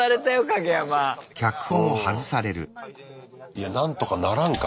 いやなんとかならんか？